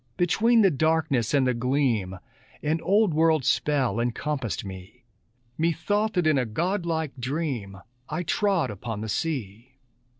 Between the darkness and the gleam An old world spell encompassed me: Methought that in a godlike dream I trod upon the sea.